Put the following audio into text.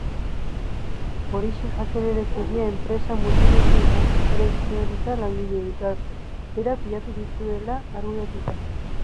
Horixe jakinarazi die enpresa multinazionalaren zuzendaritzak langileei, galerak pilatu dituela argudiatuta.